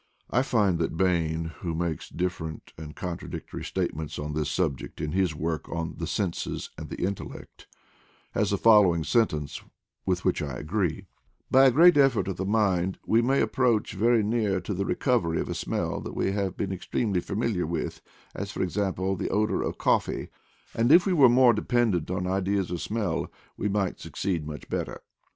I find that Bain, who makes different and contra dictory statements on this subject in his work on the Senses and the Intellect, has the following sen tence, with which I agree: "By a great effort of the mind, we may approach very near to the re covery of a smell that we* have been extremely familiar with, as, for example, the odor of coffee, and if we were more dependent on ideas of smell, we might succeed much better.